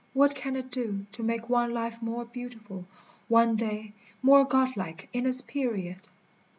what can it do To make one life more beautiful, one day More godlike in its period